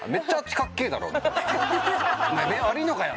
おめえ目悪いのかよ！